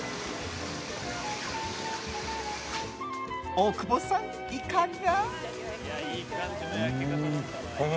大久保さん、いかが？